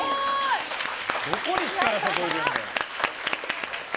どこに力を注いでるんだよ。